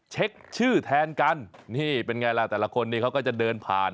เช็คชื่อแทนกันนี่เป็นไงล่ะแต่ละคนนี้เขาก็จะเดินผ่าน